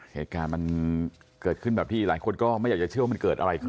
เหตุการณ์มันเกิดขึ้นแบบที่หลายคนก็ไม่อยากจะเชื่อว่ามันเกิดอะไรขึ้น